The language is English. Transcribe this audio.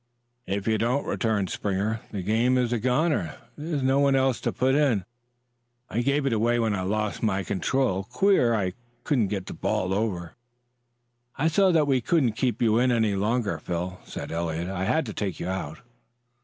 "If you don't," returned Springer, "the game is a goner. There's no one else to put in. I gave it away when I lost my control. Queer I couldn't get the ball over." "I saw that we couldn't keep you in any longer, Phil," said Eliot. "I had to take you out."